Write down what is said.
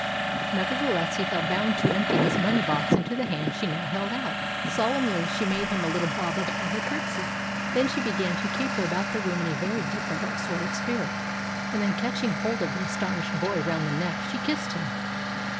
Nevertheless, he felt bound to empty his money box into the hand she now held out. Solemnly she made him a little bob of a curtsey. Then she began to caper about the room in a very different sort of spirit. And then, catching hold of the astonished boy round the neck, she kissed him.